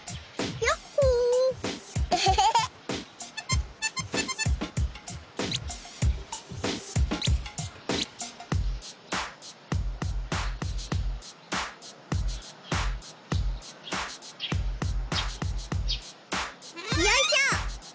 よいしょ！